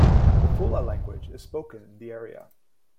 The Fula language is spoken in the area.